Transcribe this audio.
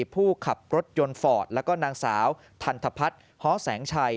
ผู้ขับรถยนต์ฟอร์ตและนางสาวทันธพัดฮแสงชัย